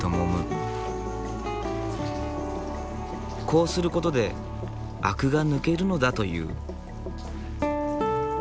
「こうする事でアクが抜けるのだ」と言う。